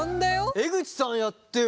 江口さんやってよ。